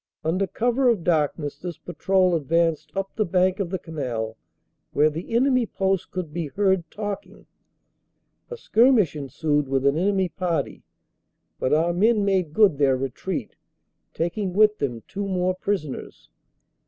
Under cover of dark ness this patrol advanced up to the bank of the canal, where the enemy post could be heard talking. A skirmish ensued with an enemy party, but our men made good their retreat, taking with them two more prisoners.